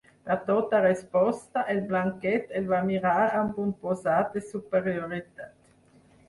Per tota resposta, el Blanquet el va mirar amb un posat de superioritat.